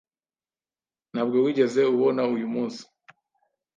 Ntabwo wigeze ubona uyumunsi?